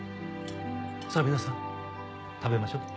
さあ皆さん食べましょう。